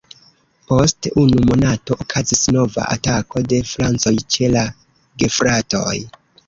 Post unu monato okazis nova atako de francoj ĉe la gefratoj.